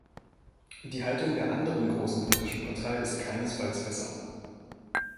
Die Haltung der anderen großen britischen Partei ist keinesfalls besser.